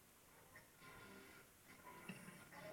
拉戈人口变化图示